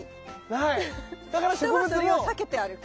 人がそれを避けて歩く。